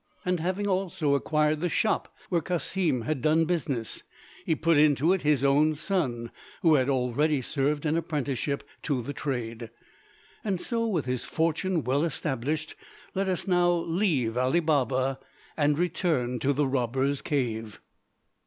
And having also acquired the shop where Cassim had done business, he put into it his own son, who had already served an apprenticeship to the trade. So, with his fortune well established, let us now leave Ali Baba and return to the robbers'cave.